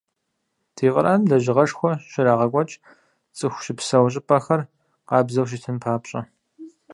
Ди къэралым лэжьыгъэшхуэ щрагъэкӀуэкӀ, цӀыху щыпсэу щӀыпӀэхэр къабзэу щытын папщӀэ.